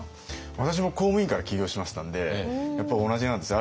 私も公務員から起業しましたんでやっぱり同じなんですよ